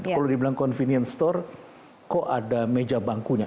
kalau dibilang convenience store kok ada meja bangkunya